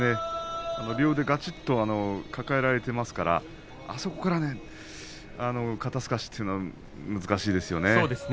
両腕がっちりと抱えられていますからあそこから肩すかしｈ難しいですね。